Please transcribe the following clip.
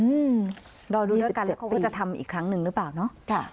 อืมรอดูราชการเขาก็จะทำอีกครั้งนึงหรือเปล่าเนอะ